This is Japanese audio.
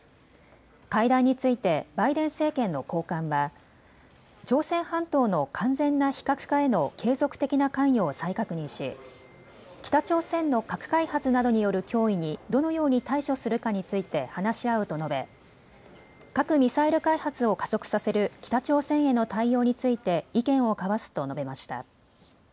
会談についてバイデン政権の高官は朝鮮半島の完全な非核化への継続的な関与を再確認し北朝鮮の核開発などによる脅威にどのように対処するかについて話し合うと述べ核・ミサイル開発を加速させる北朝鮮への対応について意見を交わすと述べました。